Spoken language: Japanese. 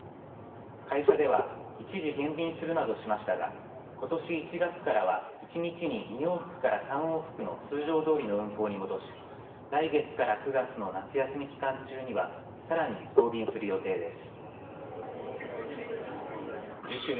会社では一時減便するなどしましたがことし１月からは１日に２往復から３往復の通常どおりの運航に戻し来月から９月の夏休み期間中にはさらに増便する予定です。